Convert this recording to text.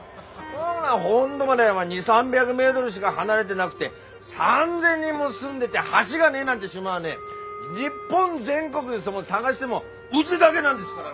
本土までお前２００３００メートルしか離れてなくて３，０００人も住んでて橋がねえなんて島はね日本全国で探してもうぢだげなんですからね。